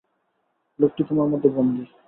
লোকটি তোমার মধ্যে বন্দি।